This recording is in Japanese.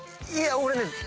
いや俺ね。